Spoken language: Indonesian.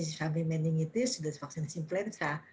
samping meningitis sudah divaksinasi influenza